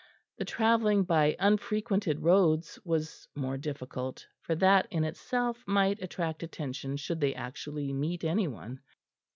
The travelling by unfrequented roads was more difficult; for that in itself might attract attention should they actually meet any one.